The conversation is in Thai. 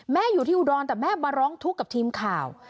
อยู่ที่อุดรแต่แม่มาร้องทุกข์กับทีมข่าว